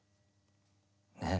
ねえ？